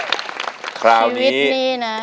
ชีวิตนี่นะ